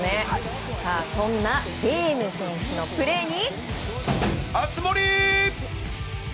そんなベーム選手のプレーに。